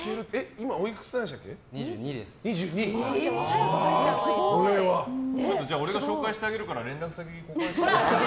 今度俺が紹介してあげるから連絡先、交換して。